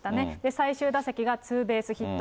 最終打席がツーベースヒット。